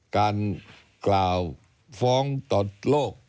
การกล่าวฟ้องต่อโลก